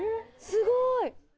すごい。